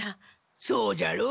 そうじゃろう？